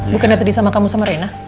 bukannya tadi sama kamu sama rena